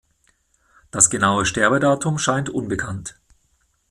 Das genaue Sterbedatum scheint unbekannt.